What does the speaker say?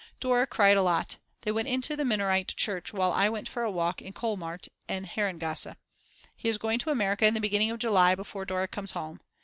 Dora cried a lot; they went into the Minorite church while I went for a walk in Kohlmarkt and Herrengasse. He is going to America in the beginning of July, before Dora comes home.